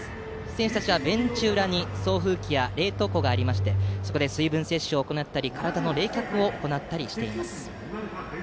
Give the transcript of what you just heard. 選手たちは、ベンチ裏に送風機や冷凍庫がありましてそこで水分摂取や体の冷却を行ったりします。